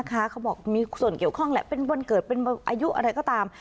เขาบอกมีส่วนเกี่ยวข้องแหละเป็นวันเกิดเป็นอายุอะไรก็ตาม